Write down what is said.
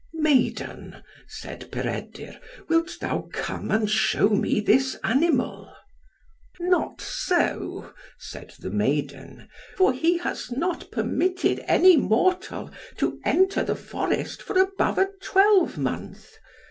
"Maiden," said Peredur, "wilt thou come and show me this animal?" "Not so," said the maiden, "for he has not permitted any mortal to enter the forest for above a twelvemonth.